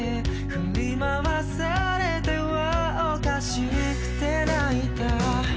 「振り回されては可笑しくて泣いた」